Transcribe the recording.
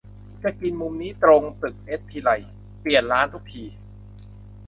จะกินมุมนี้ตรงตึกเอททีไร เปลี่ยนร้านทุกที